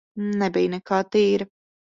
Nebija nekā tīra.